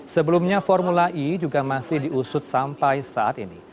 sebelumnya formula e juga masih diusut sampai saat ini